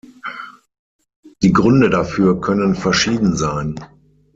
Die Gründe dafür können verschieden sein.